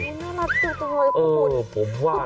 น่ารักโอ้โหผมว่า